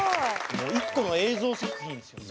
もう一個の映像作品ですよね。